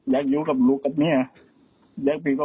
อย่าจักรมาให้ใหม่อีก